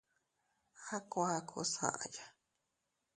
A kuakus aʼaya.